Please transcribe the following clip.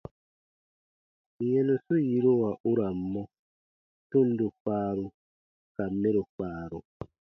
Yɛnusu yiruwa u ra n mɔ : tundo kpaaru ka mɛro kpaaru.